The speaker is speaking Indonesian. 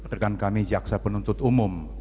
rekan kami jaksa penuntut umum